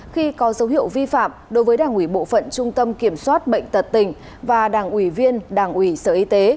khi có dấu hiệu vi phạm đối với đảng ubktnb tật tình và đảng ubvdtb sở y tế